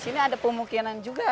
tapi ini ada pemungkinan juga